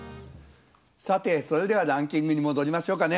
さてそれではランキングに戻りましょうかね。